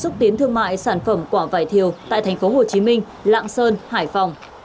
xuất tiến thương mại sản phẩm quả vải thiều tại thành phố hồ chí minh lạng sơn hải phòng